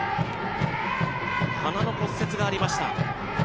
鼻の骨折がありました。